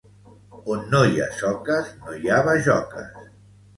On no hi ha soques, no hi ha bajoques.